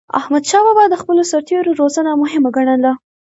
احمدشاه بابا د خپلو سرتېرو روزنه مهمه ګڼله.